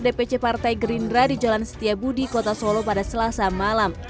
dpc partai gerindra di jalan setiabudi kota solo pada selasa malam